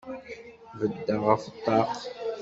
Beddeɣ ɣef ṭṭaq.